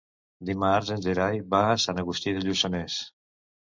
Dimarts en Gerai va a Sant Agustí de Lluçanès.